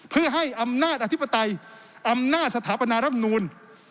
เพื่อให้อำนาจอธิปไตยอำนาจสถาปนาร่ำนูล